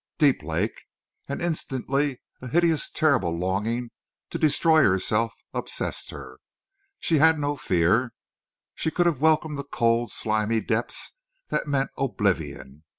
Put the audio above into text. Deep Lake! And instantly a hideous terrible longing to destroy herself obsessed her. She had no fear. She could have welcomed the cold, slimy depths that meant oblivion.